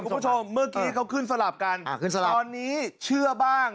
คุณผู้ชมเมื่อกี้เขาขึ้นสลับกันอ่าขึ้นสลับตอนนี้เชื่อบ้าง